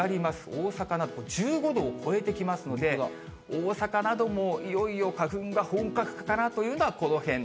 大阪など１５度を超えてきますので、大阪なども、いよいよ花粉が本格化かなというのがこのへん。